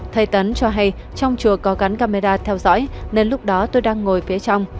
thầy tấn cho hay trong chùa có gắn camera theo dõi nên lúc đó tôi đang ngồi phía trong